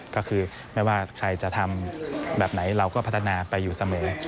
ก็คือไม่ว่าใครจะทำแบบไหนเราก็พัฒนาไปอยู่เสมอ